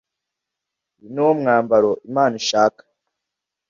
Uyu ni wo mwambaro Imana ishaka